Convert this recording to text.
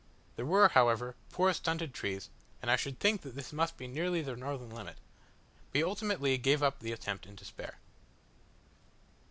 They were, however, poor stunted trees, and I should think that this must be nearly their northern limit. We ultimately gave up the attempt in despair.